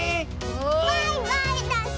バイバイだし！